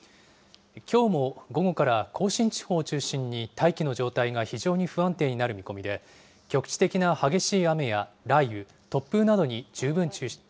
きょうも午後から、甲信地方を中心に、大気の状態が非常に不安定になる見込みで、局地的な激しい雨や雷雨、突風などに十分注意して。